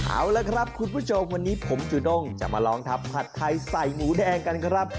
เอาละครับคุณผู้ชมวันนี้ผมจุด้งจะมาลองทำผัดไทยใส่หมูแดงกันครับ